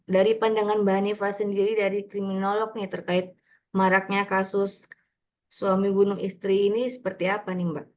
dari pandangan mbak hanifah sendiri dari kriminolog nih terkait maraknya kasus suami bunuh istri ini seperti apa nih mbak